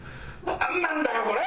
なんなんだよこれ！